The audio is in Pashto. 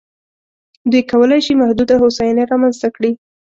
دوی کولای شي محدوده هوساینه رامنځته کړي.